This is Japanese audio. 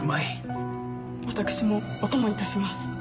私もお供いたします。